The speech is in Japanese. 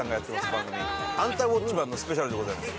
番組『アンタウォッチマン！』のスペシャルでございます。